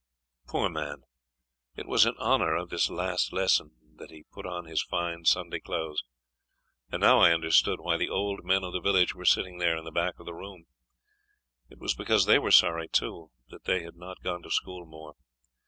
Poor man! It was in honor of this last lesson that he had put on his fine Sunday clothes, and now I understood why the old men of the village were sitting there in the back of the room. It was because they were sorry, too, that they had not gone to school more.